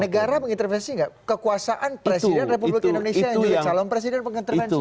negara mengintervensi nggak kekuasaan presiden republik indonesia yang jadi calon presiden pengintervensi